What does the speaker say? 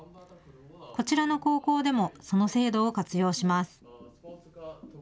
こちらの高校でもその制度を活用します。